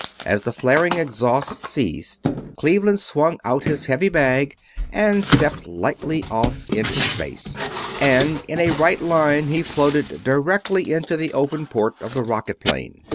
As the flaring exhausts ceased Cleveland swung out his heavy bag and stepped lightly off into space, and in a right line he floated directly into the open port of the rocket plane.